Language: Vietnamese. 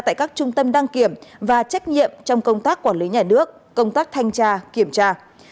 tại các trung tâm đăng kiểm và trách nhiệm trong công tác quản lý nhà nước công tác thanh tra kiểm tra